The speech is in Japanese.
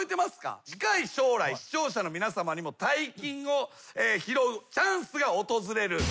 近い将来視聴者の皆さまにも大金を拾うチャンスが訪れる。